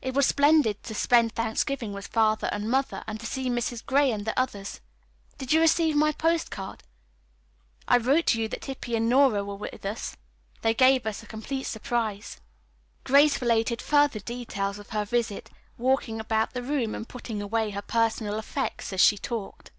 It was splendid to spend Thanksgiving with Father and Mother, and to see Mrs. Gray and the others. Did you receive my postcard? I wrote you that Hippy and Nora were with us. They gave us a complete surprise." Grace related further details of her visit, walking about the room and putting away her personal effects as she talked.